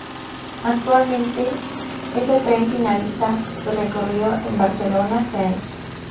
Actualmente, este tren finaliza su recorrido en Barcelona Sants.